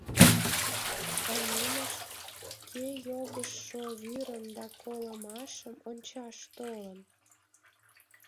А нинышт, кӧ йогышо вӱрым да колымашым ончаш толын?